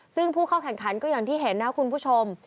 ซึ่งผู้เข้าแข่งขันก็อย่างที่เห็นนะคุณผู้ชม